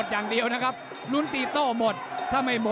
ฝ่ายทั้งเมืองนี้มันตีโต้หรืออีโต้